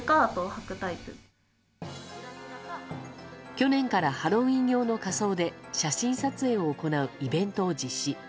去年からハロウィーン用の仮装で写真撮影を行うイベントを実施。